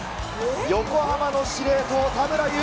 横浜の司令塔、田村優。